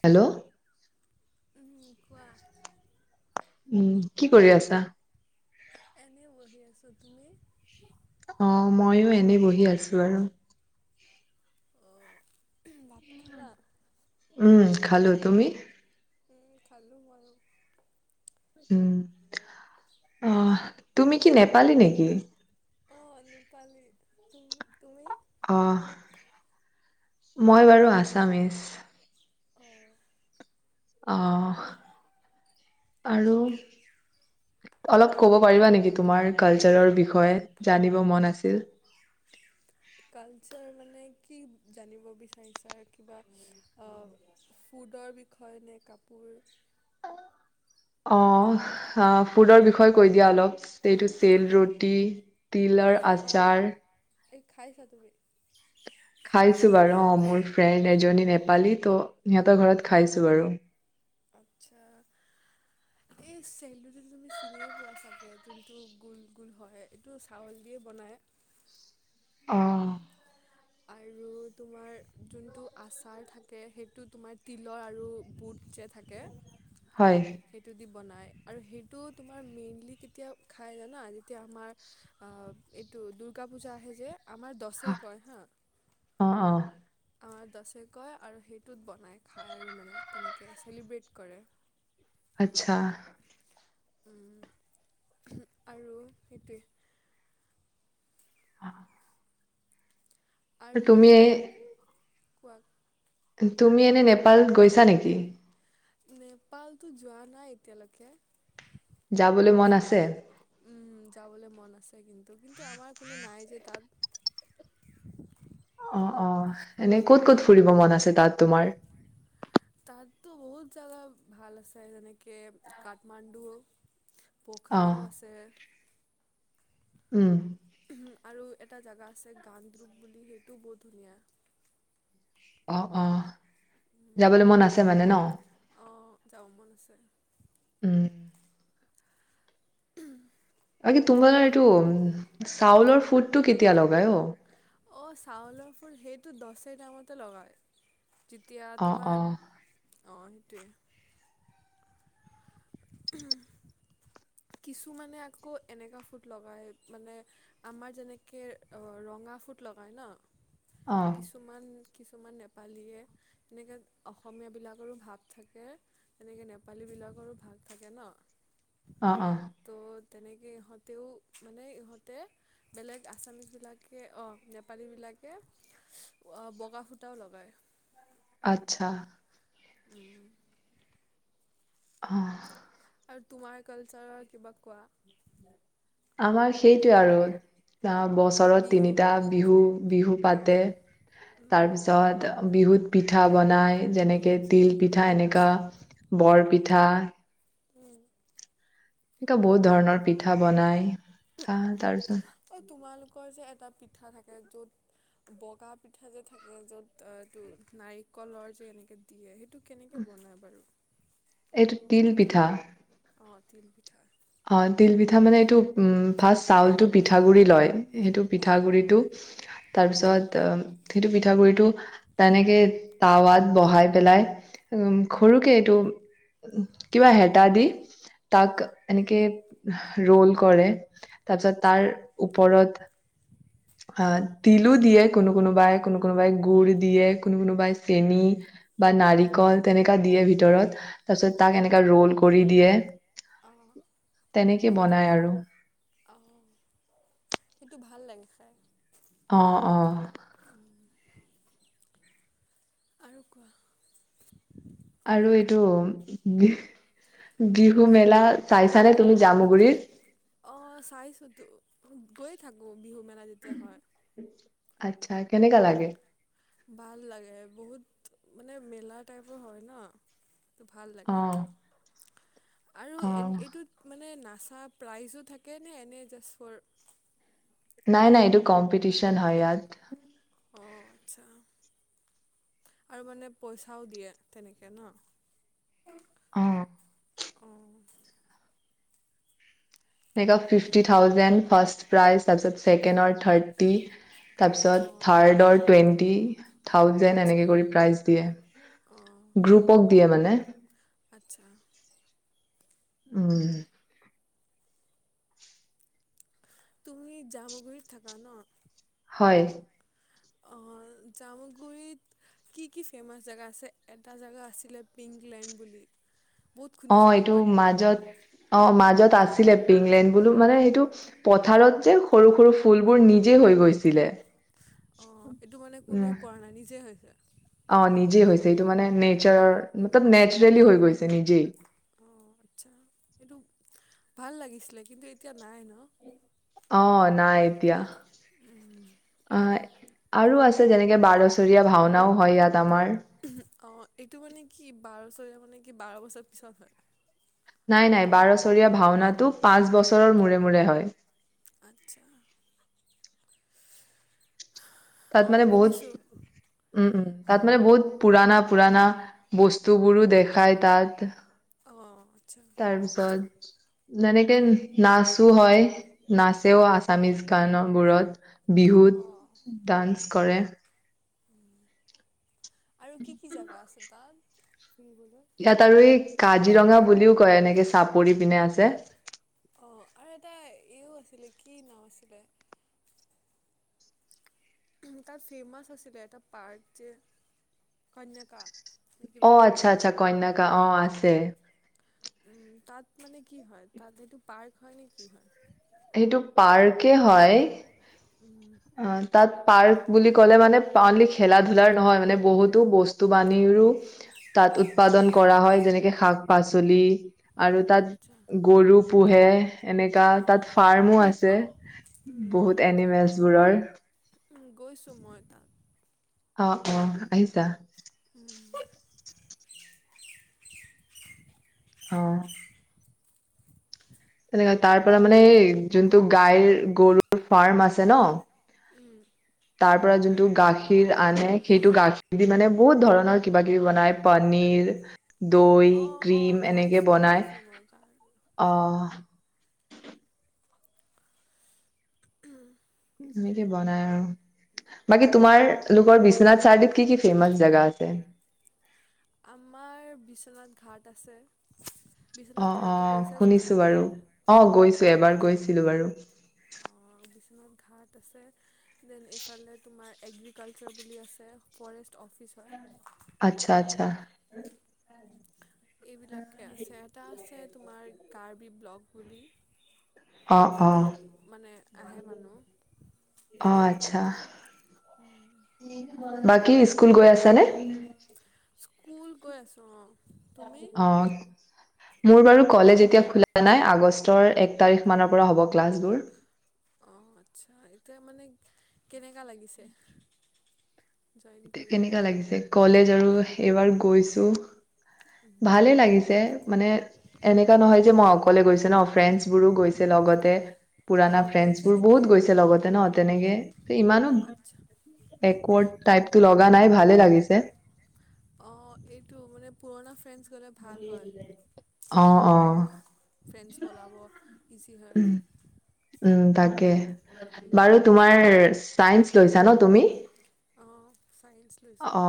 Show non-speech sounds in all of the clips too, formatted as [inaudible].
Hello উম হুম কোৱা। উম কি কৰি আছা? এনেই বহি আছো। তুমি? অ', ময়ো এনে বহি আছো আৰু। ভাত খালা? উম, খালো তুমি? উম, খালো মইও। উম আহ তুমি কি নেপালী নেকি? অহ, নোপালী তুম তুমি। অহ, মই বাৰু আছামিছ। অ'। অহ, আৰু অলপ ক'ব পাৰিবা নেকি। তোমাৰ কালচাৰৰ বিষয়ে জানিব মন আছিল। কালচাৰ মানে কি? জানিব বিচাৰিছা কিবা ফুডৰ বিষয়ে নে কাপোৰ। অ', ফুডৰ বিষয়ে কৈ দিয়া অলপ এইটো চেল ৰুটি। তিলৰ আচাৰ। অ', এই খাইছা তুমি? খাইছো বাৰু। অ', মোৰ ফ্ৰেণ্ড এজনী নেপালী ত' সিহঁতৰ ঘৰত খাইছো বাৰু। আচ্ছা এই চেলটো যদি তুমি চিনিয়ে পোৱা চাগে যোনটো গোল গোল হয়। এইটো চাউল দিয়ে বনাই। অ'। আৰু তোমাৰ যোনটো আচাৰ থাকে সেইটো তোমাৰ তিলৰ আৰু বুট যে থাকে হয়। তাকে সেইতো দি বনায় আৰু সেইটো তোমাৰ মেইনলি কেতিয়া খাই জানা। যেতিয়া আমাৰ এইটো দুৰ্গা পূজা আহে যে। আমাৰ দছে অ কয় হা। অ', অ'। আমাৰ দছে কয় আৰু সেইটোত বনায় খায় আৰু মানে তেনেকৈ চেলিব্ৰেট কৰে। আচ্ছা। আৰু সেইটোৱে। অহ। আৰু তুমি এই। কোৱা। তুমি এনে নেপালত গৈছা নেকি? নেপাল তো যোৱা নাই এতিয়া লৈকে। যাবলৈ মন আছে? উম, যাবলৈ মন আছে কিন্তু কিন্তু আমাৰ কোনো নাই যে তাত। অ', অ', এনে ক'ত, ক'ত ফুৰিব মন আছে তাত তোমাৰ? তাতো বহুত জাগা ভাল আছে যেনেকে কাঠমাণ্ডু অ পখৰাও আছে। উম। আৰু এটা জেগা আছে গানদ্ৰপ বুলি সেইটোও বহুত ধুনীয়া। অহ, অহ। যাবলৈ মন আছে মানে ন'। অঁ যাব মন আছে উম। উম, বাকি তোমাৰ এইটো, চাউলৰ ফুটটো কেতিয়া লগাই অ'। অহ চাউলৰ ফুট সেইটো দচে দামতে লগায়। যেতিয়া অ অ তোমাৰ অহ সেইটোৱে। কিছুমানে আকৌ এনেকুৱা ফুট লগায়, মানে আমাৰ যেনেকে অহ ৰঙা ফুট লগায় ন'? অ কিছুমান কিছুমান নেপালীয়ে, এনেকে অসমীয়া বিলাকৰো ভাগ থাকে, তেনেকে নেপালী বিলাকৰো ভাগ থাকে ন? অ', অ'। ত' তেনেকে ইহঁতেও মানে ইহঁতে বেলেগ আছামিছ বিলাকে অ', নেপালীবিলাকে অ', বগা সূটাও লগায়। আচ্ছা। উম। অহ। আৰু তোমাৰ কালচাৰৰ কিবা কোৱা। আমাৰ সেইটোৱে আৰু অ', বছৰত বিহু তিনিটা বিহু, বিহু অ পাতে, উম তাৰপিছত বিহুত পিঠা বনাই যেনেকে তিল পিঠা এনেকা বৰ পিঠা উম এনেকা বহুত ধৰণৰ পিঠা বনাই আহ তাৰপিছত এ তোমালোকৰ যে এট তাত পিঠা থাকে য'ত বগা পিঠা যে থাকে য'ত এটো নাৰিকলৰ যে এনেকে দিয়ে সেইটো কেনেকে বনাই বাৰু এইটো তিল পিঠা অ তিল পিঠা অ তিল পিঠা মানে এইটো উম ফাৰ্ষ্ট চাউলটো পিঠা গুৰি লয় সেইটো পিঠা অঁ গুৰিটো তাৰপিছত সেইটো পিঠাগুৰিটো তেনেকে তাৱাত বহাই পেলাই সৰুকে এইটো কিবা হেতা দি তাক উম এনেকে ৰোল কৰে। তাৰপিছত আচ্ছা তাৰ ওপৰত আহ তিলো দিয়ে কোনো কোনোবাই কোনো কোনোবাই গুড় দিয়ে কোনো কোনোবাই চেনি বা নাৰিকল তেনেকা দিয়ে ভিতৰত। তাৰ পিছত তাক এনেকা আচ্ছা ৰল কৰি দিয়ে। অঁ তেনেক বনায় আৰু আহ সেইটো ভাল লাগে খাই। অ' অ' আৰু কোৱা আৰু এইটো বিহু মেলা চাইছানে তুমি জামুগুৰিত। অ' চাইছো তো গৈ থাকো। বিহু মেলা যেতিয়া হয়। আচ্ছা কেনেকা লাগে। ভাল লাগে। বহুত মানে মেলা টাইপৰ হয় ন। ভাল অ লাগে আৰু অ এ এইটোত মানে না ছা প্ৰাইজো থাকে নে? এনে জাষ্ট ফৰ নাই নাই এইটো কম্পিটিচন হয় ইয়াত অ', আচ্ছা আৰু মানে পইচাও দিয়ে তেনেকৈ ন'। অহ। অ'। [unintelligible] Fifty thousand first prize. তাৰপিছত ছেকেণ্ডৰ থাৰ্টি, তাৰপিছত অঁ থাৰ্ডৰ টুৱেণ্টি থাউজেণ্ড আচ্ছা এনেকে কৰি প্ৰাইজ দিয়ে, অঁ গ্ৰুপক দিয়ে মানে। এ আচ্ছা। উম। তুমি জামগুৰিত থাকা ন'? হয়। অ', জামুগুৰিত কি কি ফেমাছ জেগা আছে? এটা জেগা আছিলে পিংকলেণ্ড বুলি। বহুত অ', শুনিছিলোঁ এইটো বাট মাজত, অ', মাজত আছিলে পিংলেণ্ড বোলো মানে সেইটো পথাৰত যে সৰু সৰু ফুলবোৰ নিজে হৈ গৈছিলে। অ', এইটো মানে কোনোৱে উম কৰা নাই নিজে হৈ যায়। অ', নিজে হৈছে। এইটো মানে নেচাৰৰ চব নেচাৰেলি অ', হৈ গৈছে, নিজেই। অ', আচ্ছা এইটো ভাল লাগিছিলে কিন্তু এতিয়া নাই ন'? অ', নাই এতিয়া। উম, আ আৰু আছে, যেনেকে বাৰছৰীয়া ভাওনাও হয় ইয়াত। আমাৰ অ', এইটো মানে কি? বাৰ [unintelligible] কি বাৰ বছৰ পিছত হয়? নাই নাই নে বাৰছৰীয়া ভাওনাতটো পাঁচ বছৰ ৰৰ মূৰে মূৰে হয়। আচ্ছা। তাত অ', মানে বহুত শুনিছোঁ উম উম তাত মানে বহুত পুৰাণা পুৰানা বস্তুবোৰো দেখায় তাত অ', আচ্ছা তাৰপিছত যেনেক নচো হয়। নাচেও অ', আছামিজ গানত বোৰত অ'। বিহুত কৰে আৰু কি কি জেগা আছে তাত? ফুৰিবলৈ? ইয়াত আৰু এই কাজিৰঙা বুলিও কয় এনেকে চাপ পৰি পিনে আছে। অ আৰু এটা এইও আছিলে কি নাম আছিলে! তাত ফেমছ আছিলে এটা পাৰ্ক যে কন্যকা। অ আচ্ছা আচ্ছা কন্যাকা অ' আছে। উম তাত মানে কি হয় তাত সেটো পাৰ্ক হয় নে কি হয়? সেইটো পাৰ্কে হয়! উম অ তাত পাৰ্ক বুলি ক'লে মানে অনলি খেলা ধোলাৰ নহয় মানে বহুতো বস্তু বাহানিৰো তাত উৎপাদন কৰা হয়। যেনেকে শাক-পাচলি। আৰু অঁ আচ্ছা তাত গৰু পোহে এনেকা তাত অঁ ফাৰ্মো আছে অঁ বহুত এনিমেলছ [inaudible] গৈছো মই তাত। অ' অ' আহিছা? উম, অ'। হেনেকা তাৰ পৰা মানে এই যোনটো গাইৰ গৰুৰ ফাৰ্ম আছে ন! উম। তাৰ পৰা যোনটো গাখীৰ আনে সেইটো গাখীৰ দি মানে বহুত ধৰণৰ কিবা কিবি বনাই পনীৰ দৈ, অঁ অঁ ক্ৰীম এনেকে খাইছোঁ বনাই। খাইছোঁ মই তাত আহ! এনেকে বনাই আৰু বাকী তোমাৰ লোকৰ বিশ্বনাথ চাৰিআলিত কি কি ফেমাচ জেগা আছে? আমাৰ বিশ্বনাথ ঘাট আছে। বিশ্বনাথ অ' ঘাটটো অ' গৈছে চাগে শুনিছো বাৰু অ' গৈছো এবাৰ গৈ ছিলো বাৰু। অঁ, ঘাট আছে দেন এইফালে তোমাৰ এগ্ৰিকালচাৰ বুলি আছে অফিচ হয় আচ্ছা, আচ্ছা। এইবিলাকে আছে। এটা আছে তোমাৰ কাৰ্বি ব্লগ বুলি অ', তাতো অ', মানে আহে অ', মানুহ আচ্ছা। [inaudible] বাকী স্কুল গৈ আছ নে? কুল গৈ আছো অ? অ! মোৰ বাৰু কজো ন আগ তিখৰ পৰা হ'ব ক্লাছবোৰ অ আচ্ছা এতিয়া মানে কেনেকা লাগিছে? জইন এতিয়া কৰি কেনেকা লাগিছে কলেজ? আৰু এইবাৰ গৈছো ভালে লাগিছে মানে এনেকা নহয় যে মই অকলে গৈছো ন ফ্ৰেণ্ডছ বোৰো গৈছে লগতে পুৰণা অঁ ফ্ৰেণ্ডছ গৈছে বোৰ নেকি বহুত গৈছে লগতে ন তেনেকে ইমান আচ্ছা বেকৰ্ড লগা নাই ভালে লাগিছে। অ এইটো মানে পুৰণা ফ্ৰেণ্ডছ গ'লে ভাল হয় অ অ ফ্ৰেণ্ডছ পলাব ইজি হয়। উ তাকে বাৰু তোমাৰ চাই লৈছা ন তুমি? অ। চায়েন্স লৈছোঁ। অ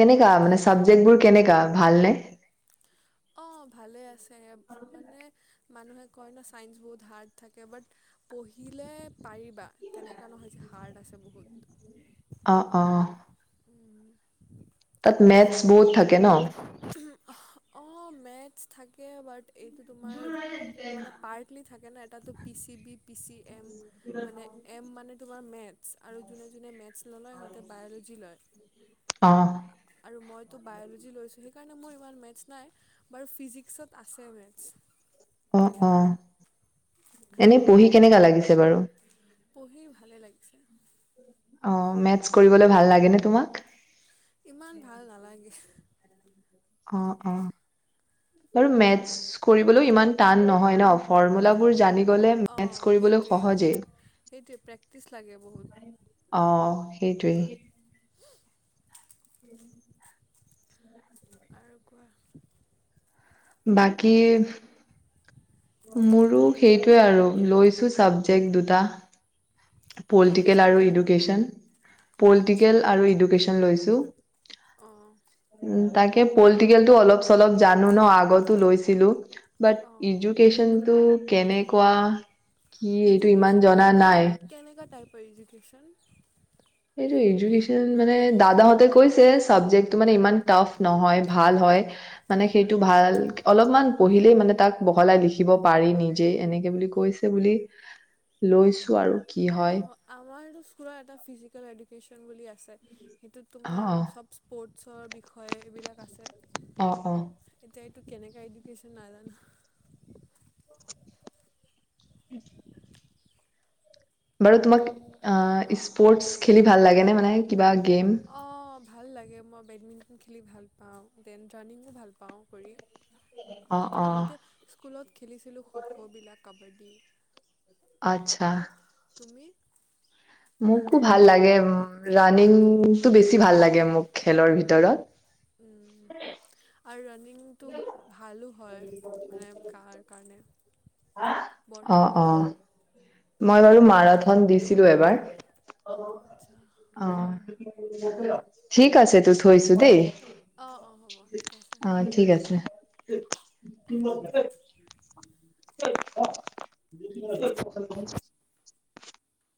কেনেকা মানে চাবজেক্টবোৰ কেনেকা ভালনে? অ ভালে আছে মানে মানুহে কয় ন ছাইন্স বহুত হাৰ্ড থাকে বাট পঢ়িলে পাৰিবা তেনেকুৱা নহয় যে হাৰ্ড আছে বহুত। অ অ। উম, তাত মেথছ বহুত থাকে ন? অ মেথছ থাকে বাট এইটো তোমাৰ মানে পাৰ্টলি থাকে ন তাতে পি চি বি পি চিএ। মানে এ মানে তোমাৰ মেথছ আৰু যোনে যোনে মেথছ ল'য় সিহঁতে বায়লজি লয়। অ। আৰু মইতো বায়'লজি লৈছোঁ সেইকাৰণে মোৰ ইমান মেথছ নাই বাৰু ফিজিক্সত আছে মেথছ। অ অ তেনেকাই এনেই পঢ়ি কেনেকা লাগিছে বাৰু? পঢ়ি ভালে লাগিছে। অ মেথছ কৰিবলৈ ভাল লাগে নে তোমাক? ইমান ভাল নালাগে! অ অ বাৰু মেথছ কৰিবলৈও ইমান টান নহয় ন? ফৰ্মুলাবোৰ জানি গলে মেথছ অ', কৰিবলৈ সেইটোৱে সহজেই, সেইটোৱে প্ৰেক্টিচ লাগে বহুত অ। সেইটোৱেই। আৰু কোৱা। বাকী মোৰো সেইটোৱে আৰু লৈছো ছাবজেক্ট দুটা। কি কি পলিটিকেল আৰু চাবজেক্ট এডুকেন আচ্ছা পলিটিকেল আৰু এডুকেন লৈছোঁ। অ', টো উম। তাকে পলিটিকেল টো অলপ চলপ জানো ন আগতো লৈছিলো। বাট অ'। এজুকেশ্যনটো কেনেকুৱা কি এইটো ইমান ইডুকেশ্যন মানে জনা কেনে নাই। কেনেকুৱা টাইপৰ এজুকেশ্যন। সেটো এডুকেচন মানে দাদাহঁতে কৈছে চাবজেক্টটো মানে ইমান টাফ নহয় ভাল হয় মানে সেইটো ভাল অলপমান পঢ়িলেই মানে তাক বহলাই লিখিব পাৰি নিজে এনেকে বুলি কৈছে বুলি লৈছো আৰু। কি হয় অ আমাৰ খৰা এটা ফিজিকেল এডুকেশ্যন বুলি আছে। সেইটোত অ তোমাৰ চব স্পৰ্টছৰ বিষয় এইবিলাক আছে অ অ এতিয়া কেনেকা এজুকেশন নাজানো। [unintelligible] বাৰু তোমাক অ স্পৰ্টচ খেলি ভাল লাগে নে মানে কিবা গেম। অ', ভাল লাগে মই বেডমিণ্টন খেলি ভাল পাওঁ, দেন ৰানিঙো ভাল পাওঁ কৰি। অ অ। ওলত। খেলিছিলোঁ শ শবিলাক। কাবাড্ডি। আত্ছা। তুমি? মোকো ভাল লাগে উম ৰানিংটো বেছি ভাল লাগে মোক খেলৰ ভিতৰত। উম আৰু ৰনি কিন্তু ভালো হয় মানে গাৰ কাৰণে, বডিৰ অ-অ কাৰণে মই বাৰু মাৰা থন দিছিলো এবাৰ অঁ আচ্ছা অ', ঠিক আছে তো থৈছো দেই। অঁ-অঁ হ'ব ঠিক আছে। [unintelligible] ত [unintelligible]